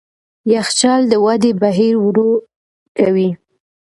یخچال د ودې بهیر ورو کوي.